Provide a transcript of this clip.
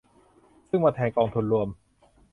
ซึ่งมาแทนกองทุนรวม